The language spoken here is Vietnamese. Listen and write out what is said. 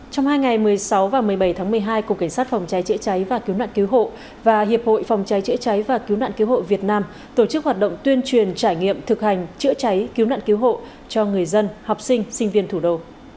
trong hai ngày một mươi sáu và một mươi bảy tháng một mươi hai cục cảnh sát phòng cháy chữa cháy và cứu nạn cứu hộ và hiệp hội phòng cháy chữa cháy và cứu nạn cứu hộ việt nam tổ chức hoạt động tuyên truyền trải nghiệm thực hành chữa cháy cứu nạn cứu hộ cho người dân học sinh sinh viên thủ đô